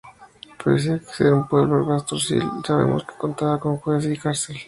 Pese a ser un pueblo pastoril sabemos que contaba con juez y cárcel.